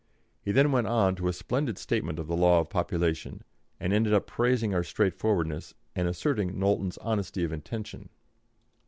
He then went on to a splendid statement of the law of population, and ended by praising our straightforwardness and asserting Knowlton's honesty of intention.